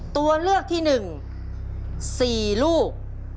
ตัวเลือกที่หนึ่งสี่ลูก